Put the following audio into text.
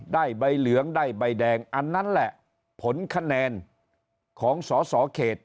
ใบเหลืองได้ใบแดงอันนั้นแหละผลคะแนนของสอสอเขต